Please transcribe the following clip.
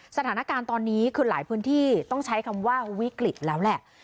สถานการณ์ตอนนี้คือหลายพื้นที่ต้องใช้คำว่าวิกฤตแล้วแหละ